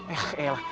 eh eh lah